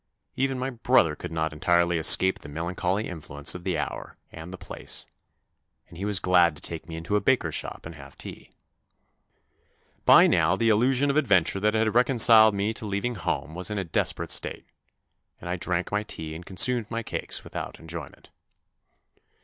Even my brother could not entirely escape THE NEW BOY 53 the melancholy influence of the hour and the place, and he was glad to take me into a baker's shop and have tea. By now the illu sion of adventure that had reconciled me to leaving home was in a desperate state, and I drank my tea and consumed my cakes without enjoyment.